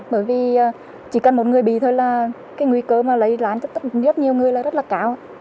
bởi vì chỉ cần một người bị thôi là cái nguy cơ mà lây lan cho tất nhiều người là rất là cao